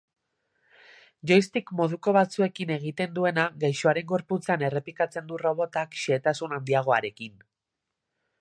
Joystick moduko batzuekin egiten duena gaixoaren gorputzean errepikatzen du robotak xehetasun handiagoarekin.